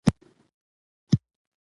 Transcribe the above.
انګور د افغان ښځو په ژوند کې رول لري.